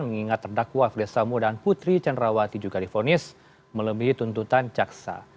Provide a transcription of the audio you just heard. mengingat terdakwa firdis samu dan putri cendrawati juga di vonis melebihi tuntutan caksa